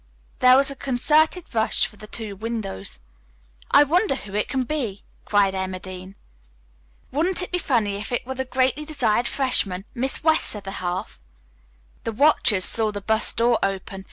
There was a concerted rush for the two windows. "I wonder who it can be!" cried Emma Dean. "Wouldn't it be funny if it were the greatly desired freshman, Miss West's other half?" The watchers saw the bus door open.